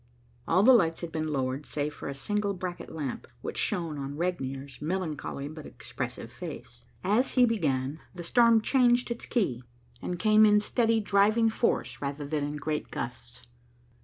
All the lights had been lowered, save for a single bracket lamp, which shone on Regnier's melancholy but expressive face. As he began, the storm changed its key, and came in steady, driving force rather than in great gusts.